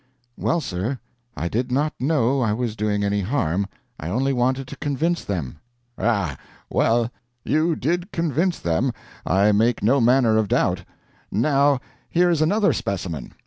"Well, sir, I did not know I was doing any harm. I only wanted to convince them." "Ah. Well, you did convince them, I make no manner of doubt. Now, here is another specimen.